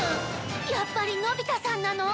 やっぱりのび太さんなの？